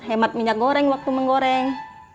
hemat minyak goreng waktu menggoreng